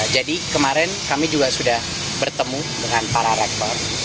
jadi kemarin kami juga sudah bertemu dengan para rektor